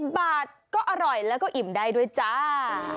บาทก็อร่อยแล้วก็อิ่มได้ด้วยจ้า